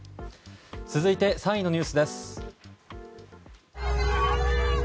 続いて、３位のニュースです。